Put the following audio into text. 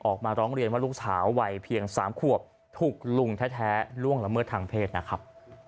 ออกมาร้องเรียนว่าลูกสาววัยเพียง๓ขวบถูกลุงแท้ล่วงละเมิดทางเพศนะครับ